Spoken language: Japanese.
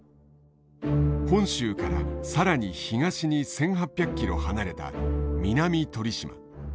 本州から更に東に１，８００キロ離れた南鳥島。